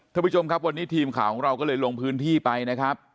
ท่านผู้ชมครับวันนี้ทีมข่าวของเราก็เลยลงพื้นที่ไปนะครับ